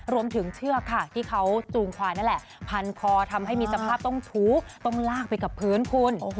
เชือกค่ะที่เขาจูงควายนั่นแหละพันคอทำให้มีสภาพต้องชู้ต้องลากไปกับพื้นคุณ